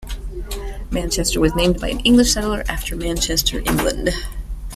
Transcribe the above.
Manchester was named by an English settler after Manchester, England.